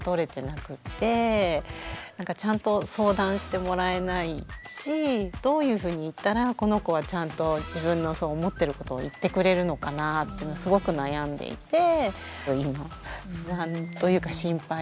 なんかちゃんと相談してもらえないしどういうふうに言ったらこの子はちゃんと自分の思ってることを言ってくれるのかなというのはすごく悩んでいて今不安というか心配で。